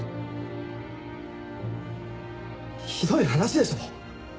ひどい話でしょう？